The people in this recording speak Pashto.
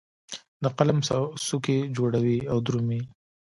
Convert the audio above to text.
د قلم څوکې جوړوي او درومې